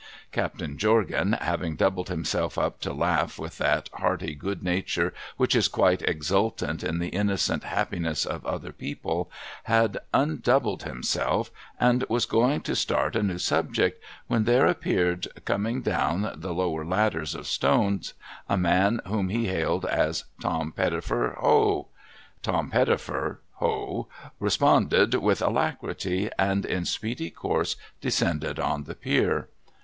Captain Jorgan, having doubled himself up to laugh with that hearty good nature which is quite exultant in the innocent happiness of other people, had undoubled himself, and was going to start a new subject, when there appeared coming down the lower ladders of stones, a man whom he hailed as ' Tom Pettifer, Ho !' Tom Pettifer, Ho, responded with alacrity, and in speedy course de scended on the pier.